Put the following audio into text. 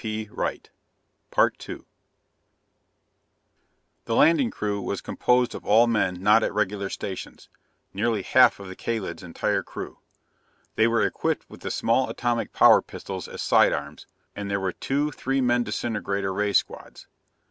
The landing crew was composed of all men not at regular stations; nearly half of the Kalid's entire crew. They were equipped with the small atomic power pistols as side arms, and there were two three men disintegrator ray squads.